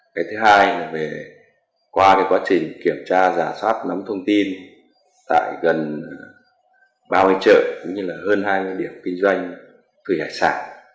cái thứ hai là qua quá trình kiểm tra giả soát nắm thông tin tại gần ba mươi chợ cũng như là hơn hai mươi điểm kinh doanh thủy hải sản